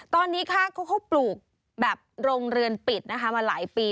ตอนนี้ค่ะเขาปลูกแบบโรงเรือนปิดนะคะมาหลายปี